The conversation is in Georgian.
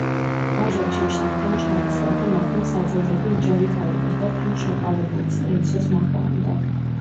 ვაჟა ჩეჩნებთან ჩადის, რათა მათგან საძოვრები იჯარით აიღოს და თან შეყვარებულის, ელისოს ნახვა უნდა.